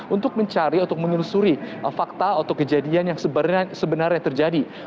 untuk mencari atau menelusuri fakta atau kejadian yang sebenarnya terjadi